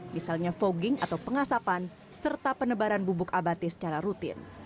misalnya fogging atau pengasapan serta penebaran bubuk abati secara rutin